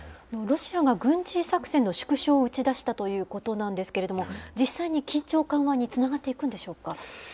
ロシアが軍事作戦の縮小を打ち出したということなんですけれども、実際に緊張緩和につながっていくんでしょうか。